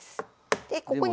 でここに。